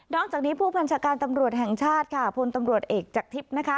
จากนี้ผู้บัญชาการตำรวจแห่งชาติค่ะพลตำรวจเอกจากทิพย์นะคะ